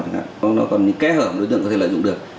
nó còn kết hợp với đối tượng có thể lợi dụng được